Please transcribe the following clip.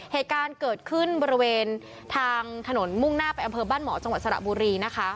เหตุการณ์เกิดขึ้นบริเวณทางถนนมุ่งหน้าไปอำเภอบ้านหมอจังหวัดสระบุรีนะคะ